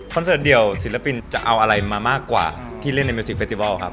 เสิร์ตเดียวศิลปินจะเอาอะไรมามากกว่าที่เล่นในมิวสิกเฟติบอลครับ